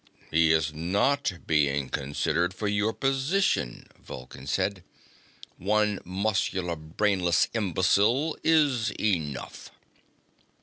"He is not being considered for your position," Vulcan said. "One muscular brainless imbecile is enough."